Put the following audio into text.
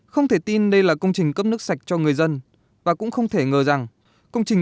không thể tin đây là công trình cấp nước sạch cho người dân và cũng không thể ngờ rằng công trình